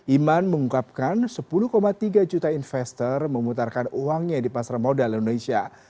iman mengungkapkan sepuluh tiga juta investor memutarkan uangnya di pasar modal indonesia